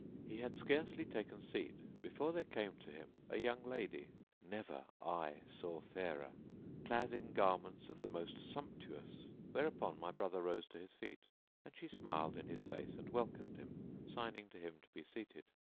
[FN#673] He had scarcely taken seat before there came to him a young lady (never eye saw fairer) clad in garments of the most sumptuous; whereupon my brother rose to his feet, and she smiled in his face and welcomed him, signing to him to be seated.